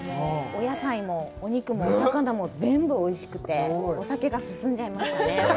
お野菜もお肉もお魚も全部おいしくて、お酒が進んじゃいましたね。